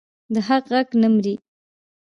د حق غږ نه مري